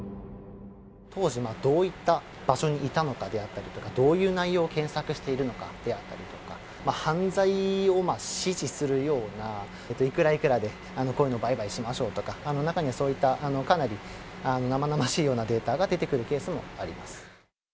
当時、どういった場所にいたのかであったりとか、どういう内容を検索しているのかであったりとか、犯罪を支持するような、いくらいくらでこういうの売買しましょうとか、中にはそういったかなり生々しいようなデータが出てくるケースもあります。